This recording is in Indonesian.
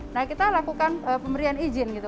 nah kita lakukan pemberian izin gitu